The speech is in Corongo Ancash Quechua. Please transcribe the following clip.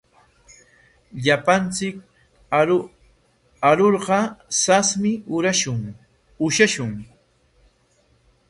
Llapanchik arurqa sasmi ushashun.